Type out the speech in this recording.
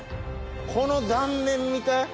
この断面見て。